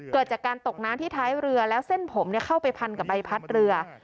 เกิดจากการตกน้ำที่ท้ายเรือแล้วเส้นผมเข้าไปพันกับใบพัดเรือ